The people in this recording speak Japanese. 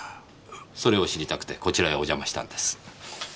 それを知りたくてこちらへお邪魔したんです。